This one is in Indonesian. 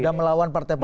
dan melawan partai partai